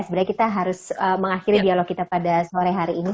sebenarnya kita harus mengakhiri dialog kita pada sore hari ini